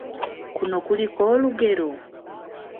Kuno kuliko olugero?